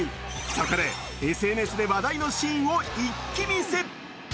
そこでＳＮＳで話題のシーンを一気見せ。